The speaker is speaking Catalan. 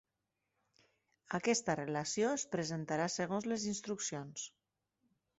Aquesta relació es presentarà segons les instruccions.